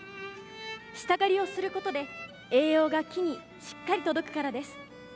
下刈りをすることで栄養が木にしっかり届くからです。